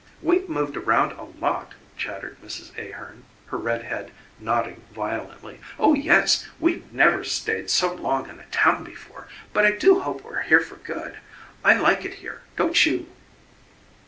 "We've moved around a lot," chattered Mrs. Ahearn, her red head nodding violently. "Oh, yes, we've never stayed so long in a town before but I do hope we're here for good. I like it here; don't you?"